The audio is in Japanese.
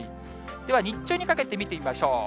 では日中にかけて見てみましょう。